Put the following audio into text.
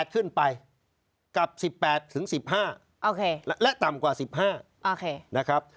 ขึ้นไปกับ๑๘๑๕และต่ำกว่า๑๕นะครับ